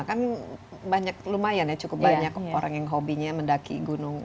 kan banyak lumayan ya cukup banyak orang yang hobinya mendaki gunung